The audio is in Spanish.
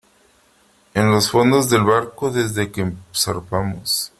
en los fondos del barco desde que zarpamos .